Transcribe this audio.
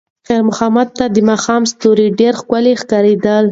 خیر محمد ته د ماښام ستوري ډېر ښکلي ښکارېدل.